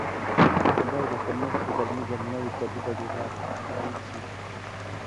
خوای دەکرد نرخی بەرمیلێک نەوت دەبووە دۆلارێک، بەمن چی